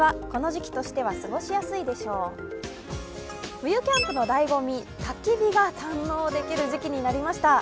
冬キャンプのだいご味、たき火が堪能できる時期になりました。